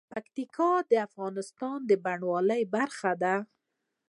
پکتیکا د افغانستان د بڼوالۍ برخه ده.